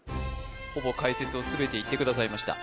ほぼ解説を全て言ってくださいました